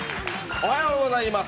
おはようございます。